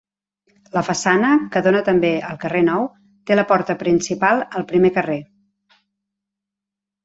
La façana, que dóna també al carrer Nou, té la porta principal al primer carrer.